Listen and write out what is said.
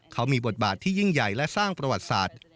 เขามีบทบาทที่ยิ่งใหญ่และสร้างประวัติศาสตร์